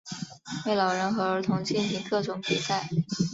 为老人和儿童进行各种比赛。